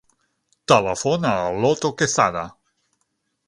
Telefona a l'Otto Quezada.